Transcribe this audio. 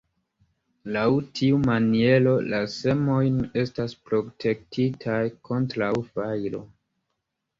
Laŭ tiu maniero, la semojn estas protektitaj kontraŭ fajro.